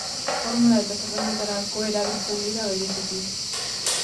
Formula eta zerrendetarako erabiltzen dira bereziki.